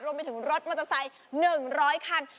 รวมไปถึงรถมอเตอร์ไซค์๑๐๐คัน